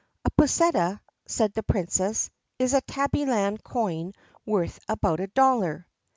"A pusseta," said the Princess, "is a Tabbyland coin worth about a dollar."